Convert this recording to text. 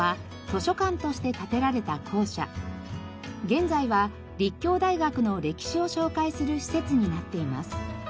現在は立教大学の歴史を紹介する施設になっています。